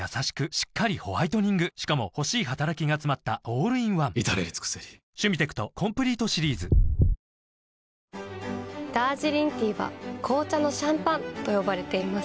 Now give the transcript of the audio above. しっかりホワイトニングしかも欲しい働きがつまったオールインワン至れり尽せりダージリンティーは紅茶のシャンパンと呼ばれています。